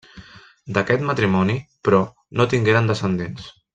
D'aquest matrimoni, però, no tingueren descendents.